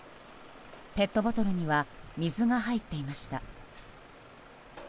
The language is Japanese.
ペットボトルには水が入っていました。